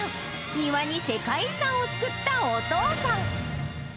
庭に世界遺産を作ったお父さん。